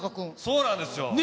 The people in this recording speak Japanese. そうなんですよ。